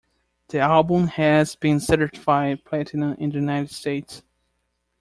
The album has been certified platinum in the United States.